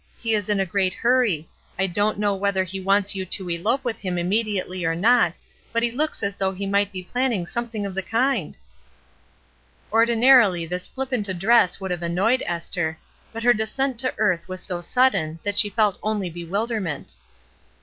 He is in a great hurry. I don't know whether he wants you to elope with him immediately or not, but he looks as though he might be planning some thing of the kind." Ordinarily this flippant address would have "DELIBERATELY, AND FOREVER" 229 annoyed Esther, but her descent to earth was so sudden that she felt only bewilderment.